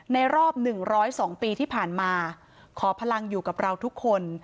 ในรอบ๑๐๒ปีที่ผ่านมาขอพลังอยู่กับเราทุกคน